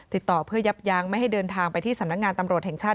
ติดต่อเพื่อยับยั้งไม่ให้เดินทางไปที่สำนักงานตำรวจแห่งชาติ